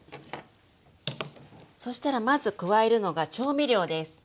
そしたらまず加えるのが調味料です。